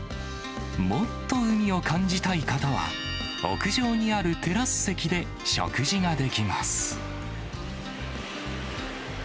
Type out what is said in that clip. もっと海を感じたい方は、屋上にあるテラス席で食事ができます。